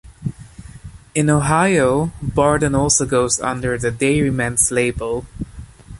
In Ohio, Borden also goes under the Dairymens label.